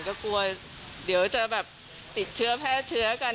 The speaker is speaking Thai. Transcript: ก็กลัวเดี๋ยวจะแบบติดเชื้อแพร่เชื้อกัน